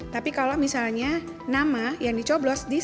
tapi kalau misalnya nama yang dicoblos